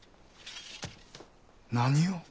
何を？